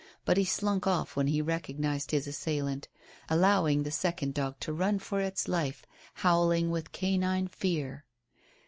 But he slunk off when he recognized his assailant, allowing the second dog to run for its life, howling with canine fear.